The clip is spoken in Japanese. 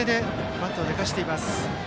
バットを寝かせていました。